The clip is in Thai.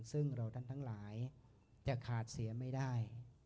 ซึ่งเรานั้นทั้งหลายจะขาดเสียไม่ได้